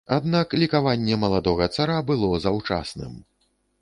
Аднак лікаванне маладога цара было заўчасным.